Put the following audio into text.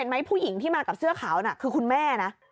ผู้หญิงที่มากับเสื้อขาวน่ะคือคุณแม่นะ